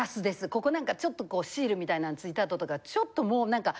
ここなんかちょっとこうシールみたいなん付いた跡とかちょっともう何か。